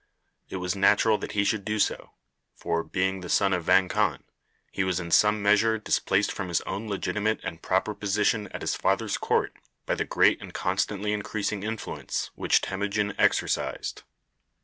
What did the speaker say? It was natural that he should do so, for, being the son of Vang Khan, he was in some measure displaced from his own legitimate and proper position at his father's court by the great and constantly increasing influence which Temujin exercised.